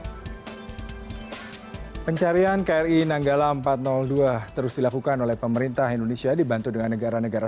hai pencarian kri nanggala empat ratus dua terus dilakukan oleh pemerintah indonesia dibantu dengan negara negara